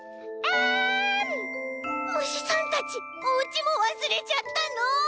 むしさんたちおうちもわすれちゃったの！？